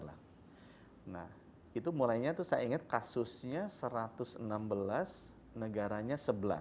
nah itu mulainya itu saya ingat kasusnya satu ratus enam belas negaranya sebelas